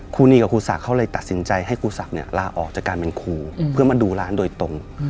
ครูนีกับครูศักดิ์เขาเลยตัดสินใจให้ครูศักดิ์ลาออกจากการเป็นครูเพื่อมาดูร้านโดยตรง